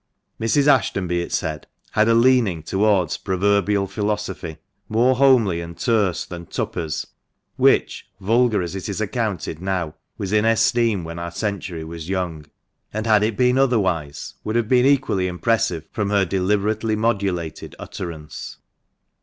Mrs. Ashton, be it said, had a leaning towards "proverbial philosophy" more homely and terse than Tupper's, which, vulgar as it is accounted now, was in esteem when our century was young; and, had it been otherwise, would have been equally impressive from her deliberately modulated utterance.